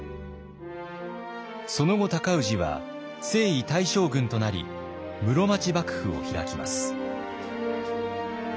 その後尊氏は征夷大将軍となり室町幕府を開きます。